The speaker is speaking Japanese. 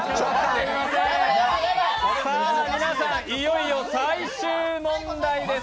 さあ皆さん、いよいよ最終問題です。